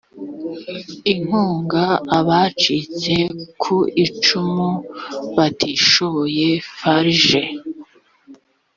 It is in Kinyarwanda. inkunga abacitse ku icumu batishoboye farg